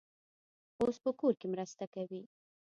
اوس په کور کې مرسته کوي.